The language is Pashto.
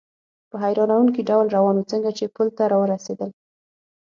په حیرانوونکي ډول روان و، څنګه چې پل ته را ورسېدل.